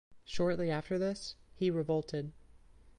Shortly after this he revolted.